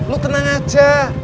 lu tenang aja